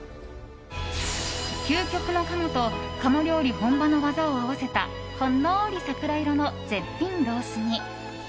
究極の鴨と鴨料理本場の技を合わせたほんのり桜色の絶品ロース煮。